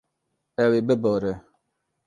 Ew ê bibore.